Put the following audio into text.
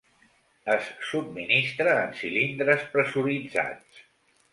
Es subministra en cilindres pressuritzats.